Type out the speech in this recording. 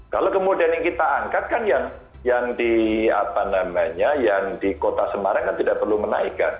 kalau kemudian yang kita angkat kan yang di kota semarang tidak perlu menaikkan